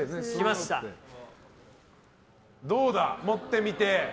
どうだ、持ってみて。